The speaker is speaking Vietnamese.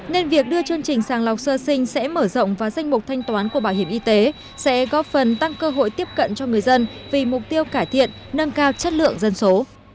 nên việc đưa chương trình sàng lọc sơ sinh sẽ mở rộng vào danh mục thanh toán của bảo hiểm y tế sẽ góp phần tăng cơ hội tiếp cận cho người dân vì mục tiêu cải thiện nâng cao chất lượng dân số